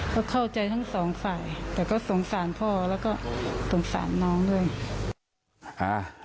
ก็เข้าใจทั้งสองฝ่ายแต่ก็สงสารพ่อแล้วก็สงสารน้องด้วย